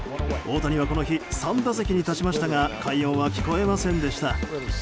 大谷はこの日、３打席に立ちましたが快音は聞こえませんでした。